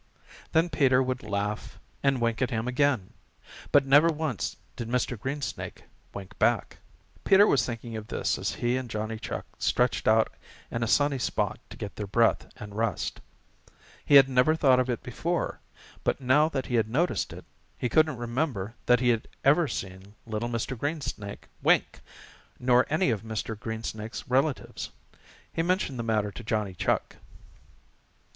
Then Peter would laugh and wink at him again. But never once did Mr. Greensnake wink back. [Illustration: He would make no reply, save to run out his tongue at them.] Peter was thinking of this as he and Johnny Chuck stretched out in a sunny spot to get their breath and rest. He had never thought of it before, but now that he had noticed it, he couldn't remember that he ever had seen little Mr. Greensnake wink, nor any of Mr. Greensnake's relatives. He mentioned the matter to Johnny Chuck.